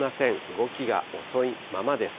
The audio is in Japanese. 動きが遅いままです。